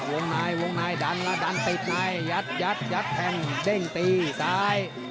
วงในวงในดันแล้วดันติดในยัดยัดยัดแทงเด้งตีซ้าย